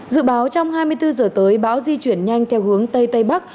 dự báo trong hai mươi bốn giờ tới bão di chuyển nhanh theo hướng tây tây bắc